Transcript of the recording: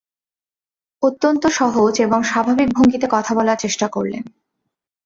অত্যন্ত সহজ এবং স্বাভাবিক ভঙ্গিতে কথা বলার চেষ্টা করলেন।